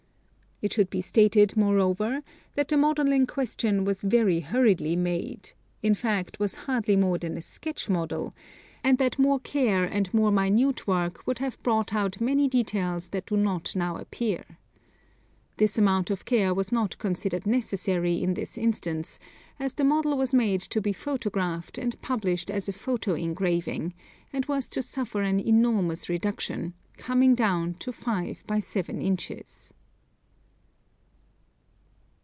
It should be stated, moreover, that the model in question was very hurriedly made — in fact, was hardly more than a sketch model — and that more care and more minute work would have brought out many details that do not now appear. This amount of care was not considered necessary in this instance, as the model was made to be photographed and published as a photo engraving, and was to suffer an enormous reduction — coming down to five by seven inches.